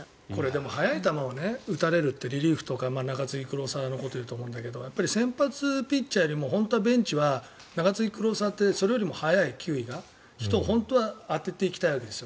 でも、速い球を打たれるとリリーフとか中継ぎのクローザーのことを言うと思うんだけど先発ピッチャーよりも本当はベンチは中継ぎ、クローザーってそれよりも球威が速い人を本当は当てていきたいわけです。